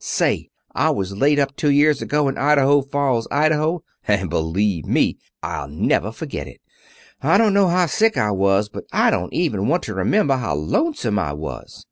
Say, I was laid up two years ago in Idaho Falls, Idaho, and believe me, I'll never forget it. I don't know how sick I was, but I don't even want to remember how lonesome I was.